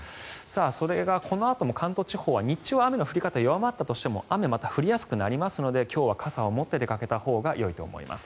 それがこのあとも関東地方は日中、雨の降り方が弱まったとしても雨がまた降りやすくなりますので今日は傘を持って出かけたほうがよいと思います。